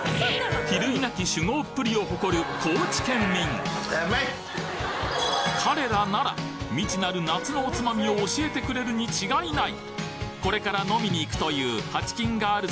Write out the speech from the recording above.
比類なき酒豪っぷりを誇る高知県民彼らなら未知なる夏のおつまみを教えてくれるに違いない！